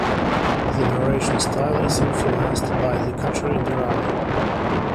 The narration style is influenced by The Catcher in the Rye.